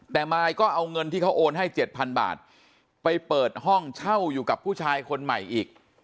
แต่มายก็เอาเงินที่เขาโอนให้๗๐๐บาทไปเปิดห้องเช่าอยู่กับผู้ชายคนใหม่อีก